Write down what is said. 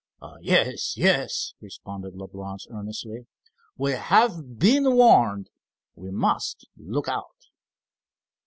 "Yes, yes," responded Leblance earnestly. "We have been warned, we must look out."